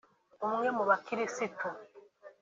umwe mubakirisitu